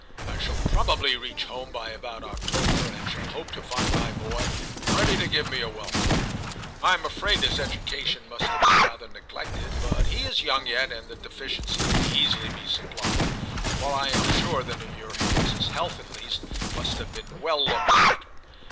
I shall probably reach home by about October, and shall hope to find my boy ready to give me a welcome. I am afraid his education must have been rather neglected, but he is young lO TIM CHAP. yet, and that deficiency may easily be supplied ; while I am sure that in your hands his health at least must have been well looked after.